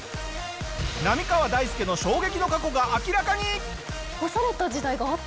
浪川大輔の衝撃の過去が明らかに！